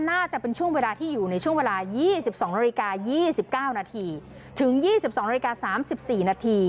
น่าจะเป็นช่วงเวลาที่อยู่ในช่วงเวลา๒๒น๒๙นถึง๒๒น๓๔น